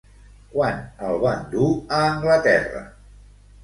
Quan el van dur a Anglaterra?